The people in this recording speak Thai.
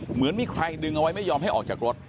เหมือนมีใครดึงเอาไว้ไม่ยอมให้ออกจากรถ